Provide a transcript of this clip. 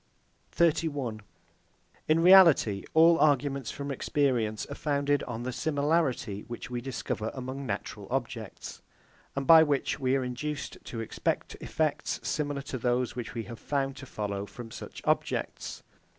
31. In reality, all arguments from experience are founded on the similarity which we discover among natural objects, and by which we are induced to expect effects similar to those which we have found to follow from such objects.